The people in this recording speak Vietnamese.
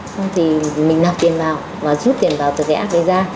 xong thì mình nạp tiền vào và rút tiền vào từ cái app